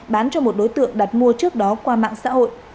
bán cho một đối tượng đặt mua trước đó qua mạng xã hội